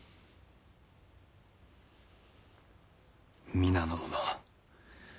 皆の者